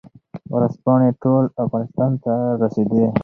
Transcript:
ورځپاڼې ټول افغانستان ته رسېدې.